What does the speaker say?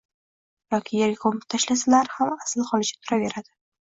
yoki yerga ko‘mib tashlasalar ham asl holicha turaveradi.